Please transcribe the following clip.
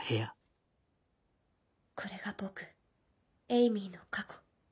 これが僕エイミーの過去。